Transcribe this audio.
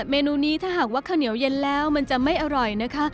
เมนูนี้ถ้าหากว่าข้าวเหนียวเย็นแล้วมันจะไม่อร่อยนะคะ